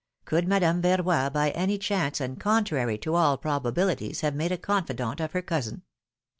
Could Madame Verroy by any chance and contrary to all probabilities have made a confidante of her cousin